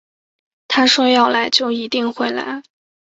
他说要来就一定会来